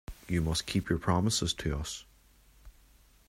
You must keep your promises to us!